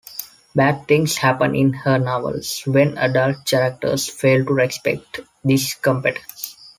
Bad things happen in her novels when adult characters fail to respect this competence.